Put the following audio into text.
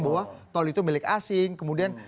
bahwa tol itu milik asing kemudian